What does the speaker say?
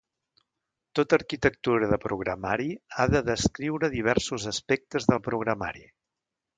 Tota arquitectura de programari ha de descriure diversos aspectes del programari.